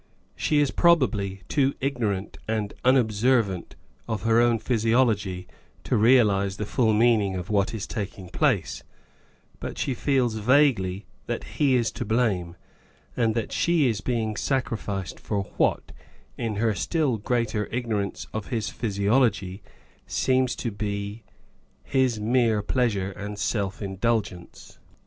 She is probably too ignorant and unobservant c\f her own physiology 6o Married Love to realise the fuH meaning of what is taking place, but she feels vaguely that he is to blame, and that she is being sacrificed for what, in her still greater ignor ance of his physiology, seems to her to be his mere pleasure and self indulgence.